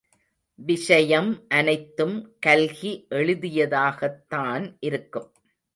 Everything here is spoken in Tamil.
விஷயம் அனைத்தும் கல்கி எழுதியதாகத்தான் இருக்கும்.